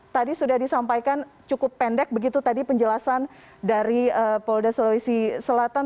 tadi sudah disampaikan cukup pendek begitu tadi penjelasan dari polda sulawesi selatan